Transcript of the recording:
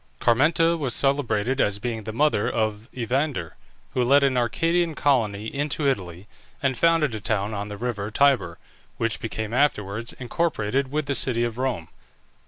Carmenta was celebrated as being the mother of Evander, who led an Arcadian colony into Italy, and founded a town on the river Tiber, which became afterwards incorporated with the city of Rome.